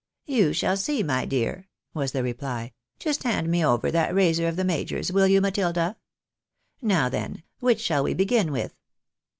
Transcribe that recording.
" You shall see, my dear," was the reply. " Just hand me over that razor of the major's, will you, Matilda? Now, then, which shall we begin with